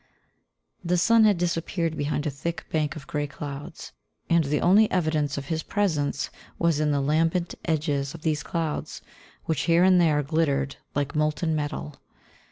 The sun had disappeared behind a thick bank of grey clouds, and the only evidence of his presence was in the lambent edges of these clouds, which here and there glittered like molten metal.